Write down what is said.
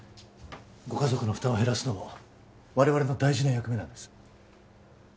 ご家族の負担を減らすのも我々の大事な役目なんです